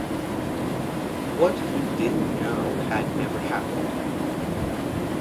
What he didn't know had never happened.